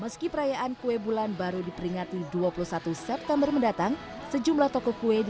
meski perayaan kue bulan baru diperingati dua puluh satu september mendatang sejumlah toko kue di